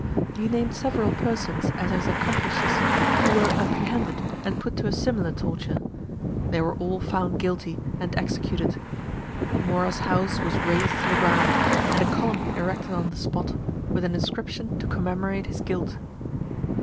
He named several persons as his accomplices, who were apprehended and put to a similar torture. They were all found guilty, and executed. Mora's house was rased to the ground, and a column erected on the spot, with an inscription to commemorate his guilt.